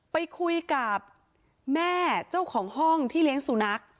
ไปคุยกับแม่เจ้าของห้องที่เลี้ยงสุนัข